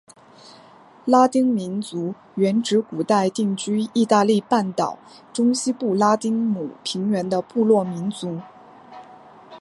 拉丁民族原指古代定居义大利半岛中西部拉丁姆平原的部落民族。